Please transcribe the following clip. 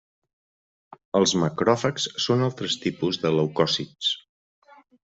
Els macròfags són altres tipus de leucòcits.